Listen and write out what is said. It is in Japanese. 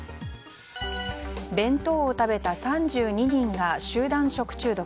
弁当を食べた３２人が集団食中毒。